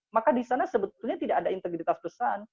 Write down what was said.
maka di sana sebetulnya tidak ada integritas besar